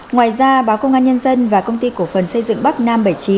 ngoài ra báo công an nhân dân và công ty cổ phần xây dựng bắc nam bảy mươi chín